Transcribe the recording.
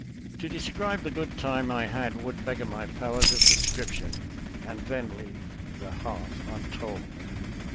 ♦•» To describe the good time I had would beggar my powers of description and then leave the half untold.